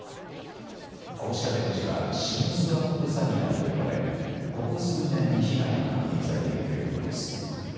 こうした手口はＳＩＭスワップ詐欺などと呼ばれここ数年、被害が確認されているということです。